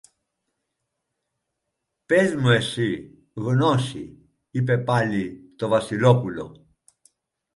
Πες μου εσύ, Γνώση, είπε πάλι το Βασιλόπουλο